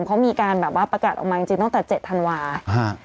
ก็มีการประกาศออกมาจริงตั้งแต่๗ธันวาศ์